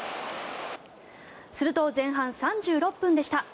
すると前半３６分でした。